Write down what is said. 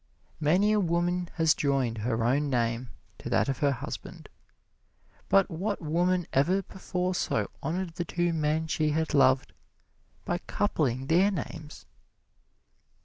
Many a woman has joined her own name to that of her husband, but what woman ever before so honored the two men she had loved by coupling their names!